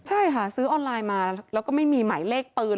ใช่ค่ะซื้อออนไลน์มาแล้วก็ไม่มีหมายเลขปืน